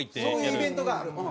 そういうイベントがある？